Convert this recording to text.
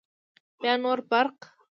بیا نور برق